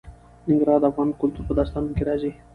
ننګرهار د افغان کلتور په داستانونو کې راځي.